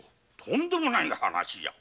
とんでもない話じゃ。